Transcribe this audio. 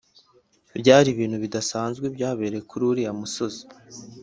byari ibintu bidasanzwe byabereye kuri uriya musozi